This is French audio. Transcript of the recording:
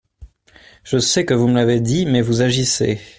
Je sais que vous me l’avez dit ; mais vous agissez…